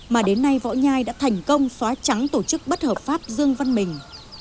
mà đến nay võ nhai đã thành công xóa trắng tổ chức bất hợp pháp dương văn mình